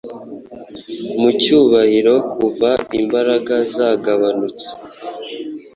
mu cyubahiro kuva imbaraga zagabanutse